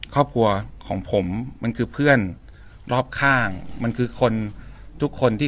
ครอบครัวของผมมันคือเพื่อนรอบข้างมันคือคนทุกคนที่